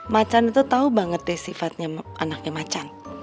macan tuh tau banget deh sifatnya anaknya macan